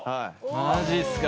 マジっすか。